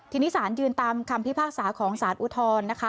ทีนี้สารยืนตามคำพิพากษาของสารอุทธรณ์นะคะ